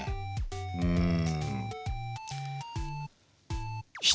うん。